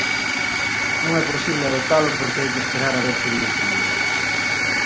Non é posible adoptalo porque hai que esperar a ver que di o xuíz.